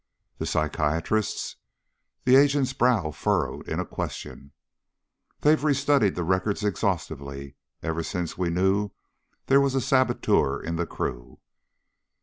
"The psychiatrists?" The agent's brow furrowed in a question. "They've restudied the records exhaustively, ever since we first knew there was a saboteur in the crew.